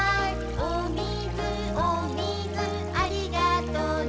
「おみずおみずありがとね」